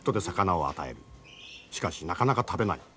しかしなかなか食べない。